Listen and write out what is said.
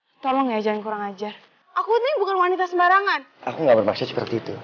hai tolong jangan kurang ajar aku ini bukan wanita sembarangan aku nggak bisa seperti itu